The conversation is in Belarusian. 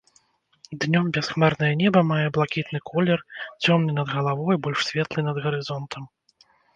Днём бясхмарнае неба мае блакітны колер, цёмны над галавой, больш светлы над гарызонтам.